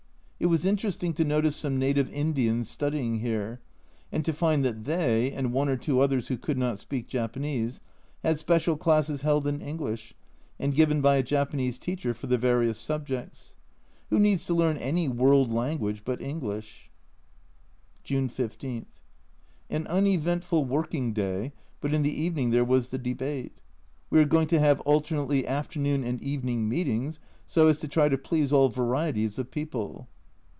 It was interesting to notice some native Indians studying here, and to find that they, and one or two others who could npt speak Japanese, had special classes held in English and given by a Japanese teacher for the various subjects. Who needs to learn any " world language" but English? June 15. An uneventful working day, but in the evening there was the Debate. We are going to have alternately afternoon and evening meetings, so as to try to please all varieties of people.